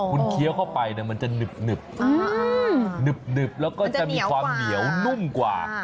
คุณเคี้ยวเข้าไปมันจะหนึบหนึบแล้วก็จะมีความเหนียวนุ่มกว่า